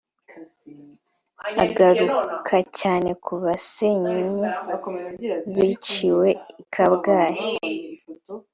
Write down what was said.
agaruka cyane ku basenyeri biciwe I Kabgayi